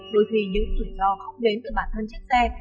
đôi khi những rủi ro không đến từ bản thân chiếc xe